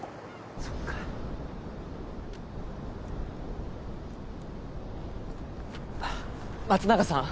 そっか松永さん？